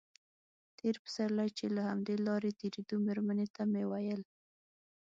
تېر پسرلی چې له همدې لارې تېرېدو مېرمنې ته مې ویل.